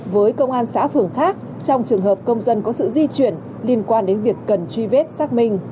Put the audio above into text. với công an xã phường khác trong trường hợp công dân có sự di chuyển liên quan đến việc cần truy vết xác minh